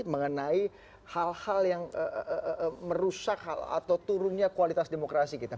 mengenai hal hal yang merusak hal atau turunnya kualitas demokrasi kita